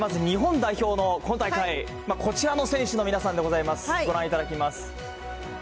改めてまず日本代表の、今大会、こちらの選手の皆さんでございます。